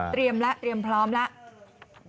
เตรียมแล้วเตรียมพร้อมแล้ว